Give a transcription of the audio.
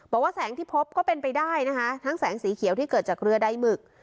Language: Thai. บอกว่าแสงที่พบก็เป็นไปได้นะคะทั้งแสงสีเขียวที่เกิดจากเรือใดหมึก